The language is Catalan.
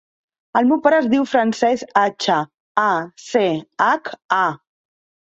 El meu pare es diu Francesc Acha: a, ce, hac, a.